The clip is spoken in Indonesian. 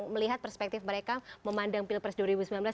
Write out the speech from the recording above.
melihat perspektif mereka memandang pilpres dua ribu sembilan belas